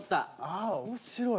あ面白い。